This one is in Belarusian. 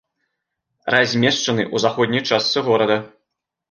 Размешчаны ў заходняй частцы горада.